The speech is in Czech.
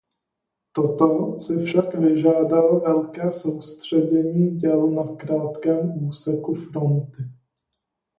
Toto si však vyžádalo velké soustředění děl na krátkém úseku fronty.